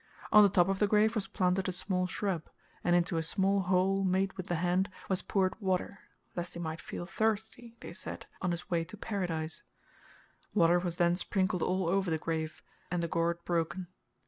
On the top of the grave was planted a small shrub, and into a small hole made with the hand, was poured water lest he might feel thirsty they said on his way to Paradise; water was then sprinkled all ever the grave, and the gourd broken.